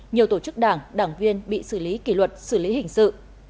nhiều tổ chức đảng đảng viên bị xử lý kỷ luật xử lý hình sự